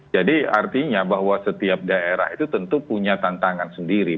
jadi artinya bahwa setiap daerah itu tentu punya tantangan sendiri